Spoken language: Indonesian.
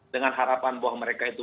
dengan harapan bahwa mereka itu